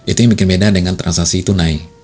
itu yang bikin beda dengan transaksi tunai